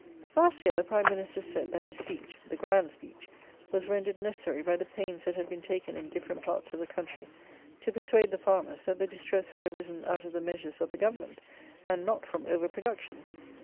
Last year the prime Minister said, that his speech (the grand speech) was rendered necessary by the "pains that had been taken, in different parts of the country," to persuade the farmers, that the distress had arisen out of the measures of the government, and not from over production!